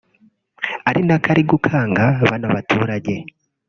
Ari nako ari gukanga bano baturage